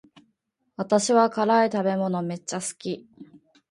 私は辛い食べ物めっちゃ好き